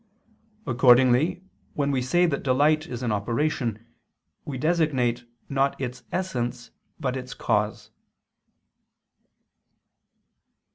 Accordingly when we say that delight is an operation, we designate, not its essence, but its cause.